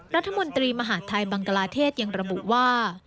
รัฐมนตรีมหาดไทยบังกลาเทศยังระบุว่า